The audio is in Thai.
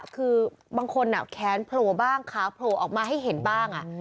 คือบางคนแค้นโผล่บ้างขาโผล่ออกมาให้เห็นบ้าง